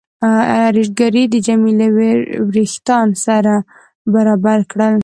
ارایشګرې د جميله وریښتان سره برابر کړل.